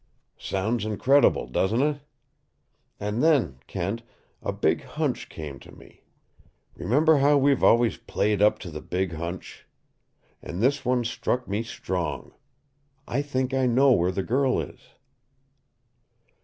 Sounds incredible, doesn't it? And then, Kent, the big hunch came to me. Remember how we've always played up to the big hunch? And this one struck me strong. I think I know where the girl is."